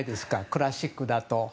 クラシックだと。